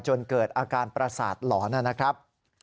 จนเกิดอาการประสาทหลอนนะครับ